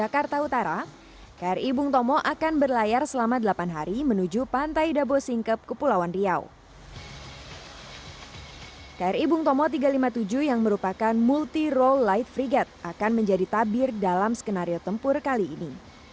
kri bung tomo tiga ratus lima puluh tujuh yang merupakan multi role light freegat akan menjadi tabir dalam skenario tempur kali ini